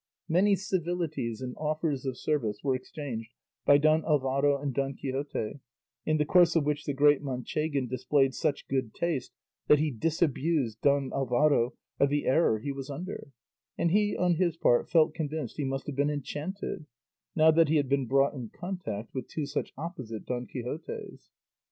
Many civilities and offers of service were exchanged by Don Alvaro and Don Quixote, in the course of which the great Manchegan displayed such good taste that he disabused Don Alvaro of the error he was under; and he, on his part, felt convinced he must have been enchanted, now that he had been brought in contact with two such opposite Don Quixotes.